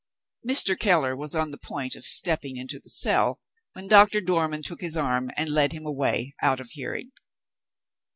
Mr. Keller was on the point of stepping into the cell, when Doctor Dormann took his arm, and led him away out of hearing.